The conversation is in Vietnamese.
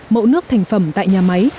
mẫu nước thành phẩm tại nhà máy